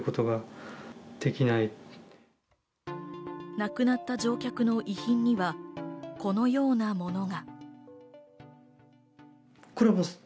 亡くなった乗客の遺品にはこのようなものが。